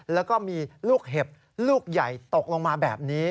แล้วก็มีลูกเห็บลูกใหญ่ตกลงมาแบบนี้